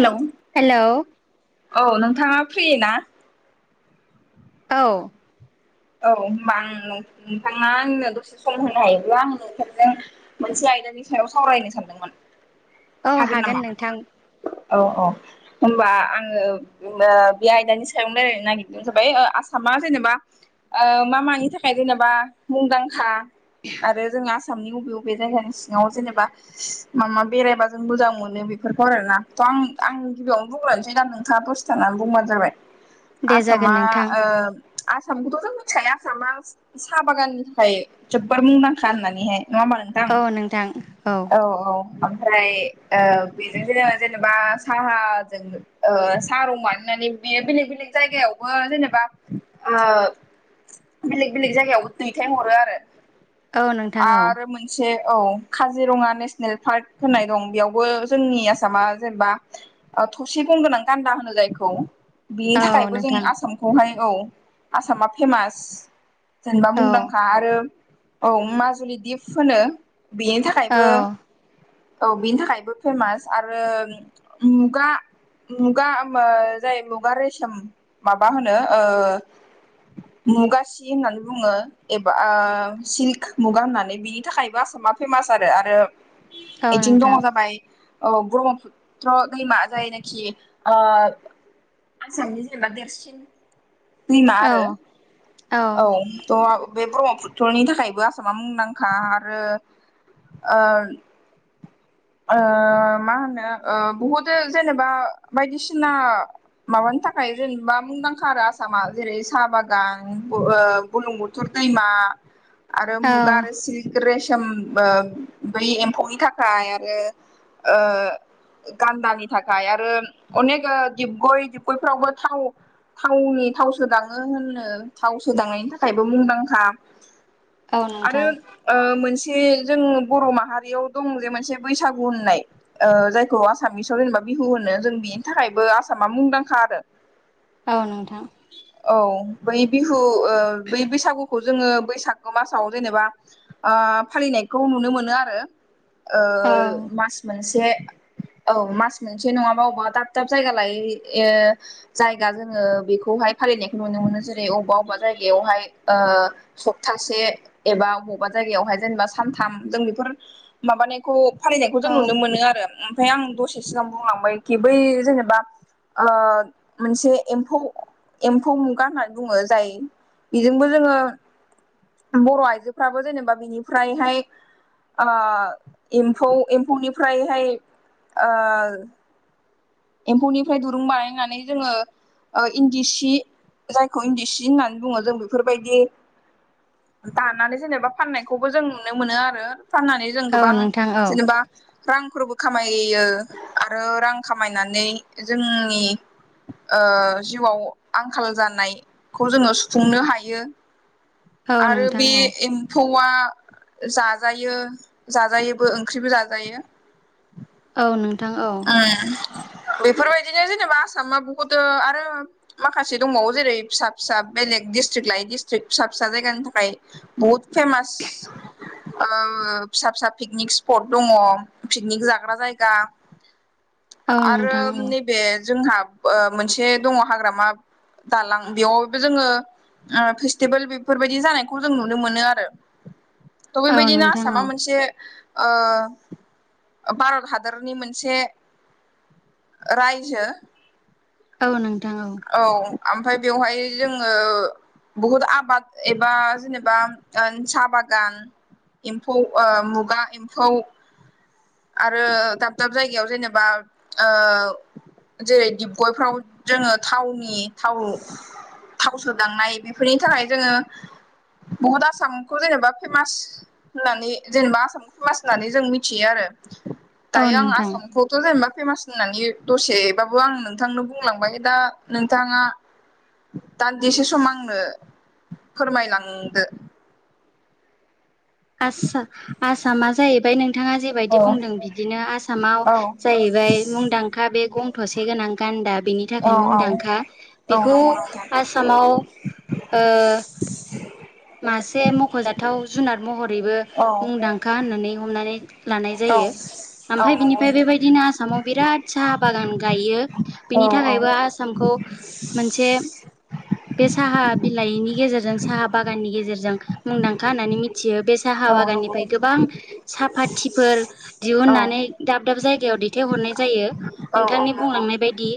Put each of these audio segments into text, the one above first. Hello hello औ नोंथांङा फ्रियो ना? औ औ होनबा आं नोंथांङा आंनो दसे सम होनो हायोब्ला आं नोंथांजों मोनसे आयदानि सायाव सावरायनो सानदोंमोन औ हागोन नामा? नोंथां औ औ होमबा आंङो बे आयदानि सायाव रायलायनो नागिरनायानो जाबाय आसामा जेनेबा ओ मा मानि थाखाय जेनेबा मुंदांखा आरो जों आसा आसामनि बबे बबे जायगानि सिङांव जेनेबा मा मा बेरायबा जों मोजां मोनो बेफोरखौ आरोना आं आं गिबियावनो बुंग्रोनोसै दा नोंथांङा दसे थानानै बुंबानो जाबाय दे जागोन आसामा नोंथां ओ आसामखौथ' जों मिथिखायो आसामा साहा बागाननि थाखाय जोबोर मुंदांखा होननानैहाय नङा होमबा नोंथां औ नोंथां औ औ ओमफ्राय ओ बेजों जो जेनेबा साहाजों साहा रं बाना माने बेयो बेलेग बेलेग जायगायावबो जेनेबा ओ बेलेग बेलेक जायगायाव दैथायहरो आरो औ नोंथां औ आरो मोनसे औ काजिरङा नेसनेल पार्क होननाय दं बेयावबो जोंनि आसामा जेनेबा थसे गंगोनां गान्दा होनो जायखौ बिनि औ थाखायबो जों नोंथां आसामखौहाय औ आसामा फेमास जेनेबा औ मुंदांखा आरो औ माजुलि दिप होनो बेनि औ थाखायबो औ बिनि थाखायबो फेमास आरो मुगा मुगा जाय मुगा रेसोम माबा होनो मुगा सि होननानै बुङो एबा ओ सिल्क मुगा होननानै बिनि थाखायबो आसा मा फेमास आरो आरो औ आथिं दंङ नोंथां जाबाय औ ब्रह्मपुत्र दैमा जायनाखि ओ आसामनि जेनेबा देरसिन दैमा औ आरो औ थ' बे ब्रह्मपुत्रनि थाखायबो आसामा मुंदांखा आरो मा होनो बहुद जेनेबा बायदिसिना माबानि थाखाय जेनेबा मुंदांखा आरो आसामा जेरै साहा बागान बुलुंबुथुर दैैमा आरो औ मुगा आरो सिल्क रेसम बै एम्फौनि थाखाय ओ ओ गान्दानि थाखाय आरो अनेक ओ डिबगय डिबगयफ्रावबो थाव थावनि थाव सोदाङो होननो थाव सोदांनायनि थाखायबो मुंदांखा औ आरो नोंथां ओ मोनसे जों बर' माहारियाव दं जे मोनसे बैसागु होननाय ओ जायखौ आसामिसाव जेनेबा बिहु होनो जों बेनि थाखायबो आसामा मुंदांखा आरो औ नोंथां औ बै बिहु ओ बै बैसागुखौ जोङो बैसागो मासाव जेनेबा ओ फालिनायखौ नुनो मोनो आरो ओ ओ औ मास मोनसे औ मास मोनसे नङाबा बबेबा दाब दाब जायगा लायै ओ जायगा जोङो बेखौहाय फालिनायखौ नुनो मोनो जेरै अबा अबा जायगायावहाय ओ सप्तासे एबा अबावबा जायगायावहाय जेनेबा सानथाम जों बेफोर माबानि खौ फालिनायखौ जों औ नुनो मोनो आरो ओमफ्राय आं दसे सिगां बुंलांबायखि बै जेनेबा ओ मोनसे एम्फौ एम्फौ मुगा होननानै बुङो जाय बेजोंबो जोङो बर' आइजोफ्राबो जेनेबा बिनिफ्रायहाय ओ एम्फौ एम्फौनिफ्रायहाय ओ एम्फौनिफ्राय दुरुं बानायनानै जोङो ओ इन्दि सि जायखौ इन्दि सि होननानै बुङो जों बेफोरबायदि दानानै जेनेबा फाननायखौबो जों नुनो मोनो आरो फाननानै जों औ गोबां नोंथां औ जेनेबा रांफोरबो खामायो आरो रां खाम- मायनानै जोंनि ओ जिउआव आंखाल जानायखौ जोङो सुफुंनो हायो औ आरो नोंथां बे औ एम्फौआ जाजायो जाजायोबो ओंख्रिबो जाजायो औ नोंथां औ उम बेफोरबायदिनो जेनेबा आसामा बहुदो आरो माखासे दंबावो जेरै फिसा फिसा बेलेग डिस्ट्रिक्ट लायै डस्ट्रिक्क फिसा फिसा जायगानि थाखाय बहुत फेमास उम ओ फिसा फिसा पिकनिक स्पट दङ पिकनिक जाग्रा जायगा औ आरो नोंथां औ नैबे जोंहा बो मोनसे दङ हाग्रामा दालां बेयावबो जोङो ओ फेस्टिभोल बेफोरबायदि जानायखौ जों नुनो मोनो आरो थ' औ बेबायदिनो नोंथां औ आसामा मोनसे हो ओ ओ भारत हादरनि मोनसे रायजो औ नोंथां औ आमफाय बेवहाय जोङो बहुत आबाद एबा जेनेबा ओ साहा बागान एम्फौ ओ मुगा एम्फौ आरो दाब दाब जायगायाव जेने बा औ जेरै डबगयफ्राव जोङो थावनि थाव थाव सोदांनाय बेफोरनि थाखाय जोङो बहुत आसामखौ जेनेबा फेमास होननानै जेनेबा आसामखौ फेमास होननानै जों मिथियो आरो औ दायो आं नोंथां आसामखौ जेनेबा फेमास होननानै दसेबाबो आं नोंथांनो बुंलांबाय दा नोंथाङा दान्दिसे सम आंनो फोरमायलांदो आस्सा आसामा जाहैबाय नों नोंथाङा औ जेबायदि बुंदों बिदिनो आसामाव जाहैबाय मुंदांखा बे गं थसे गोनां गान दा बेनि औ थाखायनो औ मुंदांखा हो औ बेखौ नंगौ नोंथां आसामाव ओ मासे मख'जाथाव जुनार महरैबो औ मुंदांखा होननानै हमनानै लानाय औ जायो आमफाय नंगौ बिनिफाय नोंथां बेबायदिनो आसामाव बिराद साहा बागान गायो औ बिनि औ औ नंगौ नोंथां औ थाखायबो आसामखौ उफ मोनसे [inaudible] बे साहा बिलाइनि गेजेरजों साहा बागाननि गेजेरजों मुंदांखा होननानै मिथि थियो बे साहा औ नंगौ बागाननिफ्राय गोबां साफाथिफोर औ दिहुननानै दाब दाब जायगायाव दैथायहरनाय जायो औ औ नंगौ औ नंगौ औ नंगौ औ नंगौ औ नोंथांनि बुंलांनाय बायदि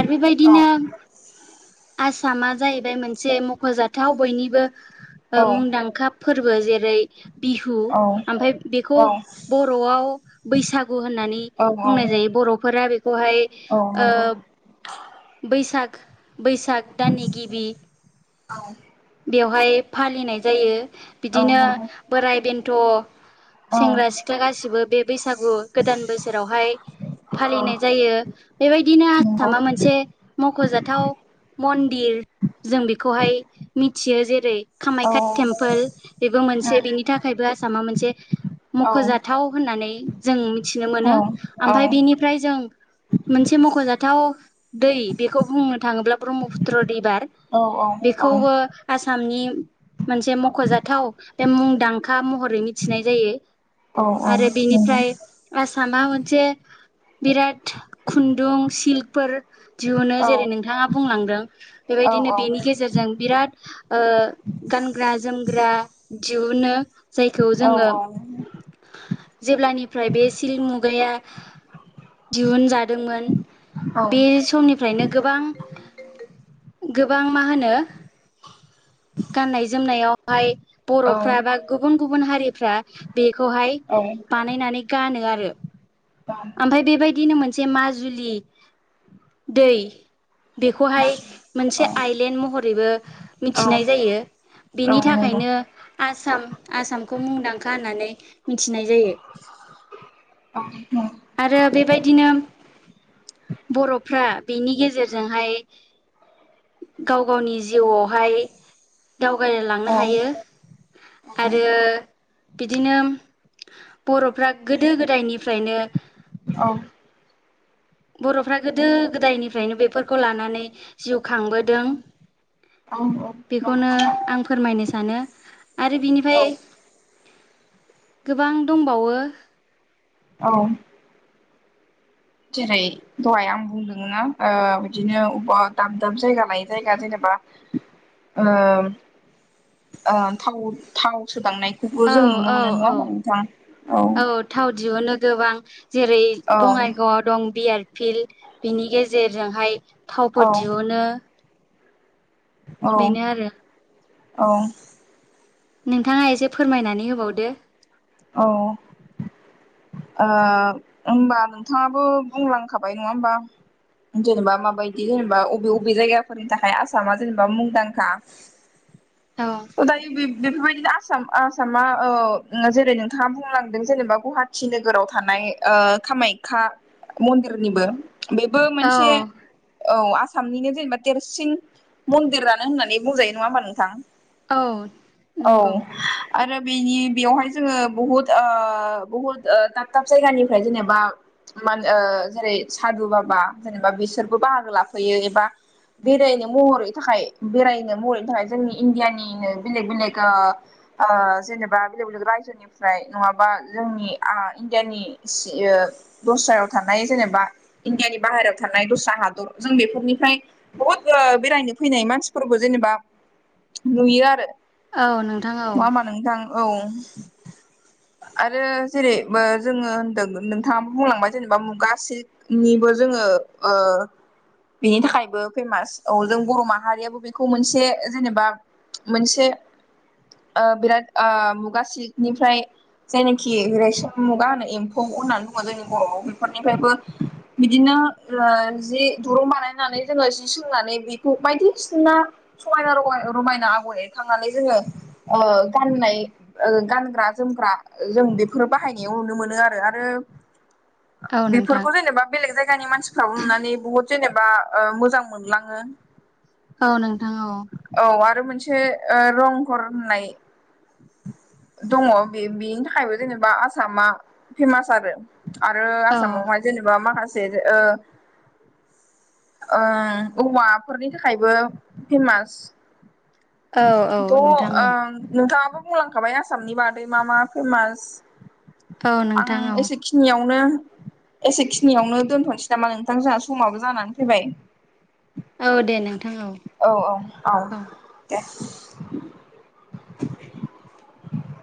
आर बेबायदिनो [inaudible] आसामा जाहैबाय मोनसे मख'जाथाव बयनिबो ओ औ मुंदांखा फोरबो जे [unintelligible] बिहु आमफाय बेखौ बर'आव बैसागु होननानै बुंनाय जायो बर'फोरा बेखौहाय ओ बैसाग बैसाग दाननि गिबि बेवहाय फालिनाय जायो औ बिदिनो नंगौ बोराइ बेन्थ' सेंग्रा सिख्ला गासिबो बे बैसागु गोदान बोसोरावहाय फालिनाय जायो बेबायदिनो आसामा मोनसे मख'जाथाव मन्दिर जों बेखौहाय मिथियो जेरै कामाख्या टेम्पोल बेबो मोनसे बे बेनि थाखायबो आसामा मोनसे मख'जाथाव होननानै जों मिथिनो मोनो आमफाय बिनिफ्राय जों मोनसे मख'जाथाव दै बेखौ बुंनो थाङोब्ला ब्रह्म पुत्र रिबार बेखौबो आसामनि मोनसे मख'जाथाव बे मुंदांखा महरै मिथिनाय जायो। आरो बिनिफ्राय आसामा मोनसे बिराद खुन्दुं सिल्क दिहुनो जेरै नोंथाङा बुंलांदों बेबायदिनो बेनि गेजेरजों बिराद गानग्रा जोमग्रा दिहुनो जायखौ जोङो जेब्लानिफ्राय बे सिल्क मुगाया दिहुनजादोंमोन बे समनिफ्रायनो गोबां गोबां मा होनो गाननाय जोमनायावहाय बर'फ्रा बा गुबुन गुबुन हारिफ्रा बेखौहाय बानायनानै गानो आरो आमफाय बेबायदिनो मोनसे माजुलि दै बेखौहाय औ मोनसे आइलेण्ड महरैबो औ मिथिनाय जायो। बेनि नंगौ थाखायनो आसाम आसामखौ मुंदांखा होननानै मिथिनाय। जायो [unintelligible] आरो बेबायदिनो बर'फ्रा बिनि गेजेरजोंहाय गाव गावनि जिउआवहाय दावगाय लांनो औ हायो आरो बिदिनो बर'फ्रा गोदो गोदायनिफ्रायनो औ बर'फ्रा गोदो गोदायनिफ्रायनो बेफोरखौ लानानै जिउ खांबोदों औ नंगौ बेखौनो नोंथां आं फोरमायनो सानो आरो बिनिफ्राय औ गोबां दंबावो औ जेरै दहाय आं बुंदोंना बिदिनो बबेबा दाब दाब जायगा लायै जायगा जेनेबा थाव सोदांनाय औ जों नुनो औ मोनो औ नङा होनबा नोंथां औ थाव दिहुनो गोबां जेरै औ बङाइगावआव दं बि आर फिल बिनि गेजेरजोंहाय औ थावफोर दिहुनो औ बेनो आरो औ नोंथाङा एसे फोरमायनानै होबावदो। औ ओ होमबा नोंथाङाबो बुंलांखाबाय नङा होमबा जेनेबा माबायदि जेनेबा अबे बबे जायगाफोरनि थाखाय आसामा जेनेबा मुंदांखा औ त' दायो बेफोरबायदिनो आसाम आसामा ओ जे- रै नोंथाङा बुंलांदों जेनेबा गौहाटि नोगोराव थानाय ओ कामायखा मन्दिरनिबो बेबो औ मोनसे औ आस सामनिनो जेनेबा देरसिन मन्दिरानो होननानै बुंजायो नङा होमबा नोंथां औ औ नोंगौ आरो बेनि बेवहाय जोङो बुहुत ओ बुहुत दाब दाब जायगानिफ्राय जेनेबा मान ओ जेरै सादु बाबा जेनेबा बिसोरबो बाहागो लाफैयो एबा बेरायनो महरै थाखाय बेरायनो महरैनि थाखाय जोंनि इण्डियानिनो बेलेग बेलेग ओ ओ जेनेबा बेलेग बेलेग रायजो- जोनिफ्राय नङाबा जोंनि आ इण्डियानि सि ओ दस्रायाव थानाय जेनेबा इण्डियानि बाहेरायाव थानाय दस्रा हादर जों बेफोरनिफ्राय बुहुत ओ बेरायनो फैनाय मानसिफोर- खौ जेनेबा नुयो आरो औ नोंथां औ नङा होमबा नोंथां औ [inaudible] आरो जेरै ओ जोङो होनदों नोंथाङा बुंलांबाय जेनेबा मुगासेनिबो जों- ङो ओ बेनि थाखायबो फेमास औ जों बर' माहारियाबो बेखौ मोनसे जेनेबा मोनसे ओ बिराद ओ मुगासि निफ्राय जेनाखि रेसम मुगा होनो एम्फौ होननानै बुङो जोंनि बर'आव बेफोरनिफ्रायबो बिदिनो ओ जि दुरुं बानायनानै जोङो जि सोंनानै बेखौ बायदिसिना समायना रामा रमायना आगर एरखांनानै जोङो ओ गाननाय ओ गान ग्रा जोमग्रा जों बेफोर बाहायनायाव नुनो मोनो आरो आरो औ नोंथां बेफोरखौ जेनेबा बेलेग जायगानि मानसिफ्राबो नुनानै बुहुत जेनेबा ओ मोजां मोनलाङो। औ नों औ आरो मोनसे ओ रंघर होननाय दङ बे बेनि थाखायबो जेनेबा आसामा फेमास आरो। आरो औ आसामावहाय जेनेबा माखास से ओ ओ औवाफोरनि थाखायबो फेमास औ औ त' ओ नोंथां औ नोंथाङाबो बुंलांखाबाय आसामनि बादै मा मा फेमास औ आं नोंथां औ एसेखिनियावनो एसे खिनियावनो दोनथ'निसै नामा नोंथां जोंहा समाबो जानानै फैबाय। औ दे नों औ औ औ दे [inaudible]